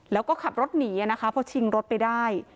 แล้วก็ขับรถหนีนะคะพอชิงรถไปได้